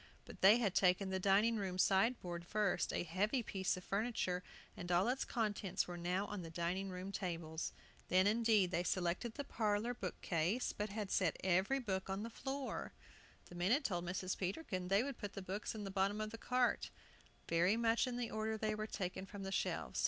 But they had taken the dining room sideboard first, a heavy piece of furniture, and all its contents were now on the dining room tables. Then, indeed, they selected the parlor book case, but had set every book on the floor The men had told Mrs. Peterkin they would put the books in the bottom of the cart, very much in the order they were taken from the shelves.